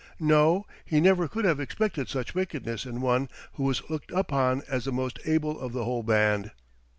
No! he never could have expected such wickedness in one who was looked upon as the most able of the whole band.